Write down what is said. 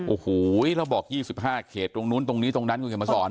โอ้โหแล้วบอก๒๕เขตตรงนู้นตรงนี้ตรงนั้นคุณเขียนมาสอน